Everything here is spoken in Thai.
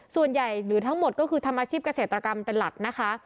หรือทั้งหมดก็คือทำอาชีพเกษตรกรรมเป็นหลักนะคะ